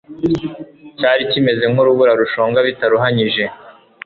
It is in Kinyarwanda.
cyari kimeze nk'urubura rushonga bitaruhanyije